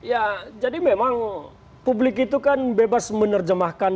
ya jadi memang publik itu kan bebas menerjemahkan